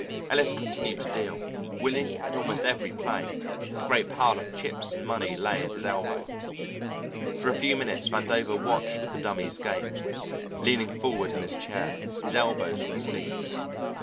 Ellis continued to deal, winning at almost every play; a great pile of chips and money lay at his elbow. For a few minutes Vandover watched the Dummy's game, leaning forward in his chair, his elbows on his knees.